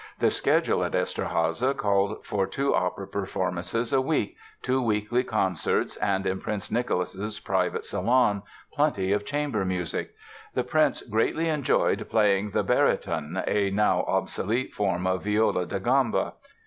The schedule at Eszterháza called for two opera performances a week, two weekly concerts and, in Prince Nicholas' private salon, plenty of chamber music. The prince greatly enjoyed playing the baryton, a now obsolete form of viola da gamba.